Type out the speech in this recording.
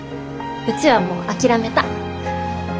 うちはもう諦めた。